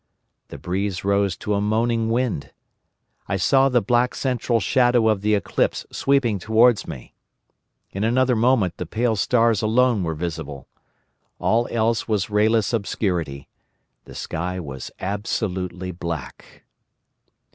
The breeze rose to a moaning wind. I saw the black central shadow of the eclipse sweeping towards me. In another moment the pale stars alone were visible. All else was rayless obscurity. The sky was absolutely black.